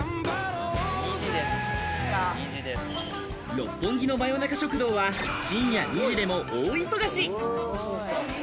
六本木の真夜中食堂は深夜２時でも大忙し。